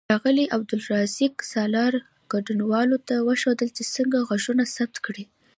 ښاغلي عبدالرزاق سالار ګډونوالو ته وښودل چې څنګه غږونه ثبت کړي.